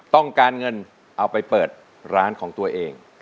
ต้องการเงินเอาไปเปิดร้านของตัวเอง